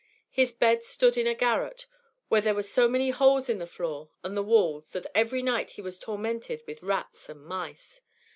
His bed stood in a garret, where there were so many holes in the floor and the walls that every night he was tormented with rats and mice.